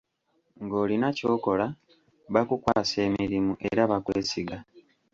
Ng'olina ky'okola, bakukwasa emirimu era bakwesiga.